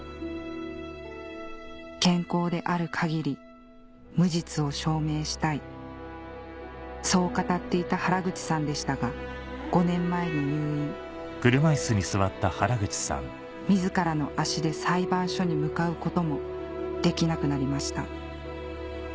健康である限り無実を証明したいそう語っていた原口さんでしたが５年前に入院自らの足で裁判所に向かうこともできなくなりました